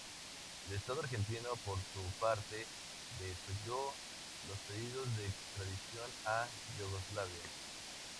El Estado argentino, por su parte, desoyó los pedidos de extradición a Yugoslavia.